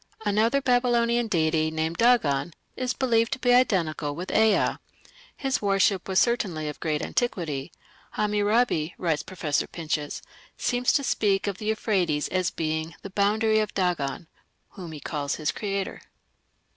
Another Babylonian deity, named Dagan, is believed to be identical with Ea. His worship was certainly of great antiquity. "Hammurabi", writes Professor Pinches, "seems to speak of the Euphrates as being 'the boundary of Dagan'," whom he calls his creator.